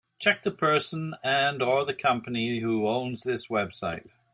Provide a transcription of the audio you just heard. Check the person and/or company who owns this website.